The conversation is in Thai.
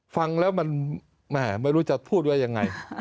ฟังแล้วมันไม่รู้จะพูดว่ายังไง